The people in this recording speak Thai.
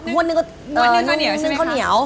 หนึ่งหนค่าเหนียว